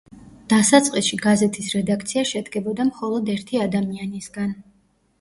დასაწყისში გაზეთის რედაქცია შედგებოდა მხოლოდ ერთი ადამიანისგან.